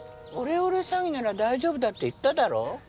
オレオレ詐欺なら大丈夫だって言っただろ？